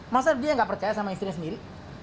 masa dia nggak percaya sama istrinya sendiri